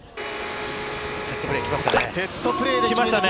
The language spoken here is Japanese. セットプレー来ましたね。